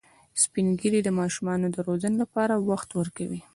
سپین ږیری د ماشومانو د روزنې لپاره وخت ورکوي